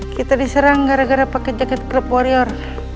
kita diserang gara gara pake jaket club warrior